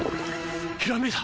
ひらめいた！